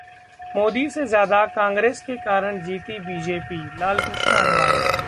मोदी से ज्यादा कांग्रेस के कारण जीती बीजेपीः लालकृष्ण आडवाणी